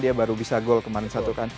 dia baru bisa gol kemarin satu kan